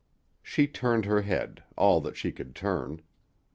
She turned her head, all that she could turn.